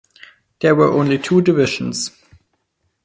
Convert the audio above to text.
There were only two Divisions.